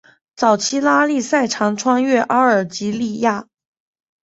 早期拉力赛常穿越阿尔及利亚。